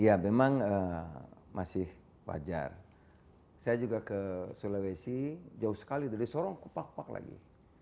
ya memang masih wajar saya juga ke sulawesi jauh sekali dari sorong kupak pak lagi